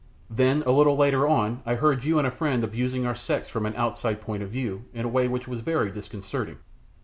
Then a little later on I heard you and a friend abusing our sex from an outside point of view in a way which was very disconcerting.